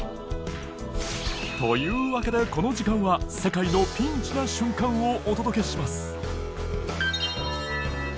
というわけでこの時間は世界の「ピンチな瞬間」をお届けします